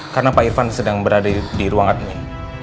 karena pak irfan sedang berada di ruang admin